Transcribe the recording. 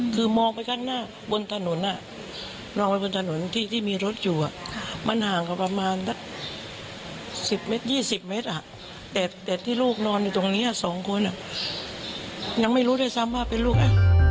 คือมองไปข้างหน้าบนถนนมองไปบนถนนที่มีรถอยู่มันห่างกับประมาณ๑๐เมตร๒๐เมตรแต่ที่ลูกนอนอยู่ตรงนี้๒คนยังไม่รู้ด้วยซ้ำว่าเป็นลูก